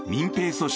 組織